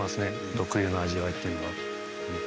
特有の味わいっていうのが。